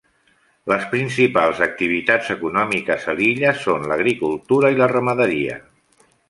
Les principals activitats econòmiques a l'illa són l'agricultura i la ramaderia.